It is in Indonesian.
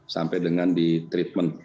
sampai dengan di treatment